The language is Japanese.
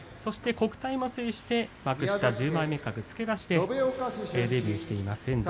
国体も制して幕下１５枚目格付け出しでデビューしています。